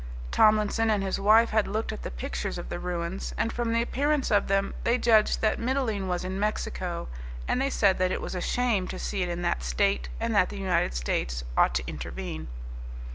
Tomlinson and his wife had looked at the pictures of the ruins, and from the appearance of them they judged that Mitylene was in Mexico, and they said that it was a shame to see it in that state and that the United States ought to intervene.